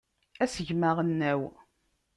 Asegmi aɣelnaw.